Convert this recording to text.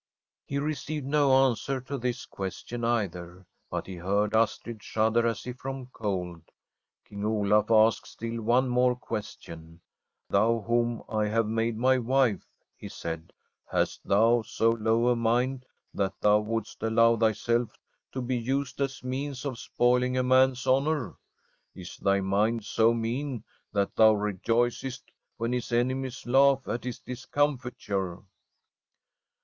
He received no answer to this question either, but he heard Astrid shudder as if from cold. King Olaf asked still one more question. ASTRID ' Thou whom I have made my wife/ he said, 'hast thou so low a mind that thou wouldest allow thyself to be used as a means of spoiling a man's honour ? Is thy mind so mean that thou rejoicest when his enemies laugh at his discom fiture